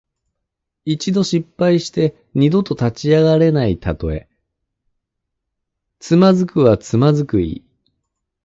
一度失敗して二度と立ち上がれないたとえ。「蹶」はつまずく意。